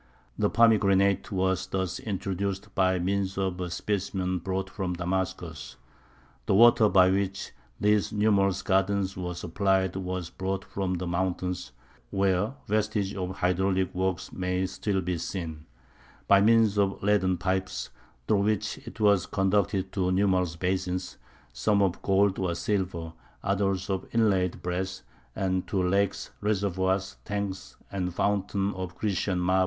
The pomegranate was thus introduced by means of a specimen brought from Damascus. The water by which these numerous gardens were supplied was brought from the mountains (where vestiges of hydraulic works may still be seen) by means of leaden pipes, through which it was conducted to numerous basins, some of gold or silver, others of inlaid brass, and to lakes, reservoirs, tanks, and fountains of Grecian marble.